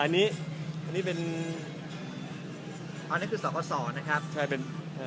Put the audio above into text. อันนี้อันนี้เป็นอันนี้คือสกสอนะครับใช่เป็นเอ่อ